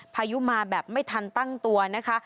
พายุมาแบบไม่ทันตั้งตัวนะคะ